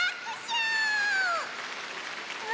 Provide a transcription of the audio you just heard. うわ！